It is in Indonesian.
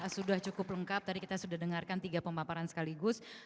sudah cukup lengkap tadi kita sudah dengarkan tiga pemaparan sekaligus